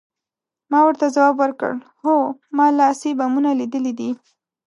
ما ورته ځواب ورکړ، هو، ما لاسي بمونه لیدلي دي.